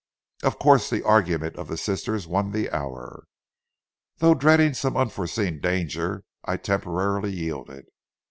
Of course the argument of the sisters won the hour. Though dreading some unforeseen danger, I temporarily yielded.